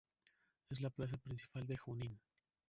Es la plaza principal de Junín.